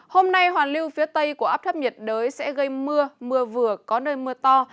hôm nay hoàn lưu phía tây của áp thấp nhiệt đới sẽ gây mưa mưa vừa có nơi mưa to